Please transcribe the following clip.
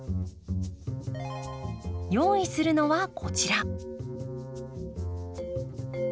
用意するのはこちら。